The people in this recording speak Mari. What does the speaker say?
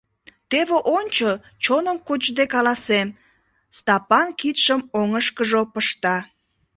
— Теве ончо, чоным кочде каласем, — Стапан кидшым оҥышкыжо пышта.